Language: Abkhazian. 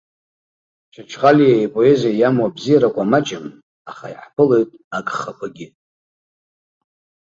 Чачхалиа ипоезиа иамоу абзиарақәа маҷым, аха иаҳԥылоит агхақәагьы.